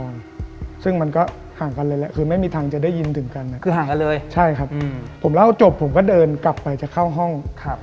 เราก็กลับจะไปเข้าห้อง